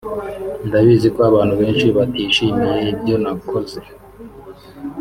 “Ndabizi ko abantu benshi batishimiye ibyo nakoze